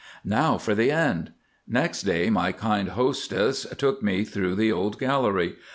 Now for the end. Next day my kind hostess took me through the old gallery.